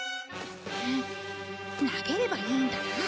投げればいいんだな。